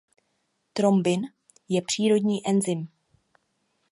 Trombin je přírodní enzym.